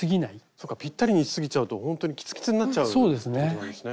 そうかぴったりにしすぎちゃうとほんとにきつきつになっちゃうっていうことなんですね。